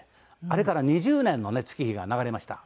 あれから２０年のね月日が流れました。